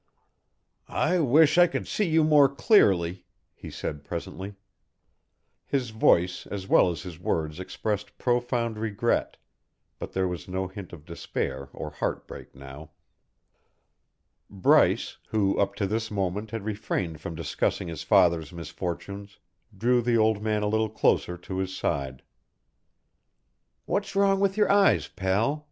"I wish I could see you more clearly," he said presently. His voice as well as his words expressed profound regret, but there was no hint of despair or heartbreak now. Bryce, who up to this moment had refrained from discussing his father's misfortunes, drew the old man a little closer to his side. "What's wrong with your eyes, pal?"